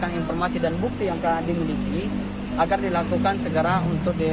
pemindahan informasi dan bukti yang akan dimiliki agar dilakukan segera untuk di